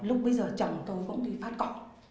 lúc bây giờ chồng tôi cũng đi phát cọ